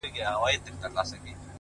o دغه رنگينه او حسينه سپوږمۍ،